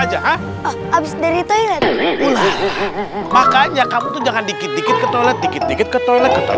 aja habis dari toilet makanya kamu jangan dikit dikit ke toilet dikit dikit ke toilet